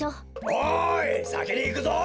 おいさきにいくぞ。